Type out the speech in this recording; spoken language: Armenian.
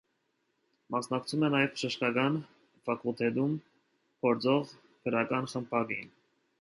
Մասնակցում է նաև բժշկական ֆակուլտետում գործող գրական խմբակին։